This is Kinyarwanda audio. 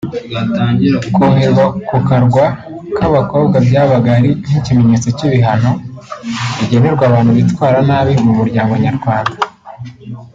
Koherwa ku Karwa k’Abakobwa byabaga ari nk’ikimenyetso cy’ibihano bigenerwa abantu bitwara nabi mu muryango nyarwanda